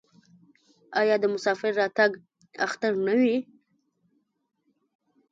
آیا د مسافر راتګ اختر نه وي؟